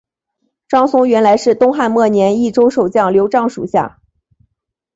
张松原来是东汉末年益州守将刘璋属下。